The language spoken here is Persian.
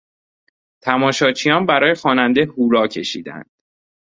تماشاچیان برای خواننده هورا کشیدند.